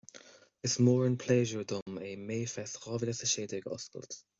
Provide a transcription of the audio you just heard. Is mór an pléisiúr dom é MayFest dhá mhíle a sé déag a oscailt